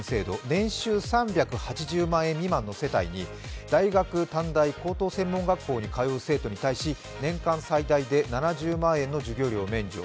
年収３８０万円未満の世帯に、大学、短大、高等専門学校に通う生徒に対し年間最大で７０万円の授業料免除、